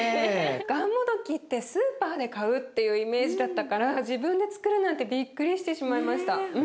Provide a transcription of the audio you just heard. がんもどきってスーパーで買うっていうイメージだったから自分でつくるなんてびっくりしてしまいました。